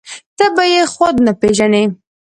ته به يې خود نه پېژنې.